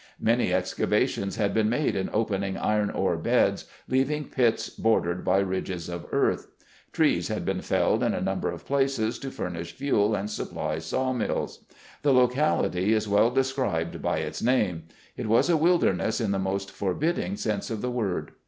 Many excavations had been made in opening iron ore beds, leaving pits bordered by ridges of eartb. Trees had been felled in a number of places to furnish fuel and supply sawmills. The locality is well described by its name. It was a wilderness in the most forbidding sense of the word.